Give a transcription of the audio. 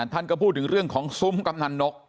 ท่านก็พูดถึงเรื่องของซุ้มกำนันนก